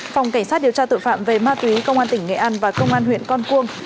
phòng cảnh sát điều tra tội phạm về ma túy công an tỉnh nghệ an và công an huyện con cuông